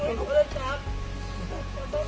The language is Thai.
วันที่สุดท้ายเกิดขึ้นเกิดขึ้น